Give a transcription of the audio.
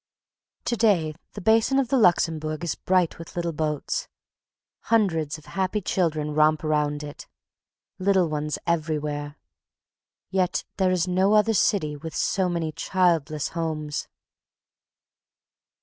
To day the basin of the Luxembourg is bright with little boats. Hundreds of happy children romp around it. Little ones everywhere; yet there is no other city with so many childless homes.